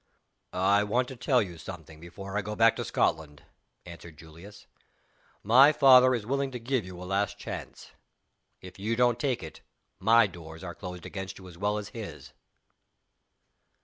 "I want to tell you something, before I go back to Scotland," answered Julius. "My father is willing to give you a last chance. If you don't take it, my doors are closed against you as well as _his.